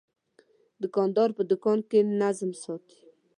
دوکاندار په دوکان کې نظم ساتي.